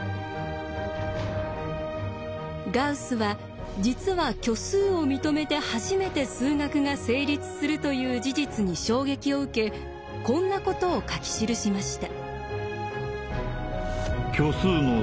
ガウスは実は虚数を認めて初めて数学が成立するという事実に衝撃を受けこんなことを書き記しました。